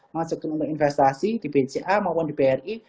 masukin untuk investasi di bja maupun bri